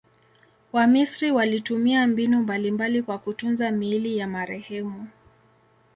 Wamisri walitumia mbinu mbalimbali kwa kutunza miili ya marehemu.